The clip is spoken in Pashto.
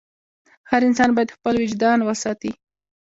هر انسان باید خپل وجدان وساتي.